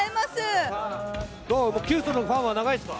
キュウソのファンは長いですか？